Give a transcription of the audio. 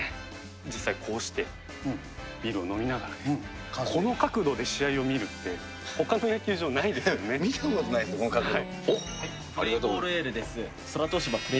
実際こうしてビールを飲みながら、この角度で試合を見るってほかの見たことないです、この角度。